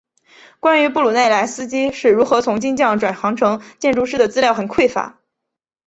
关于布鲁内莱斯基是如何从金匠转行成建筑师的资料很匮乏。